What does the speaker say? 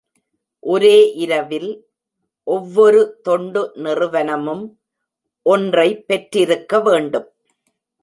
ஒரே இரவில், ஒவ்வொரு தொண்டு நிறுவனமும் ஒன்றை பெற்றிருக்க வேண்டும்.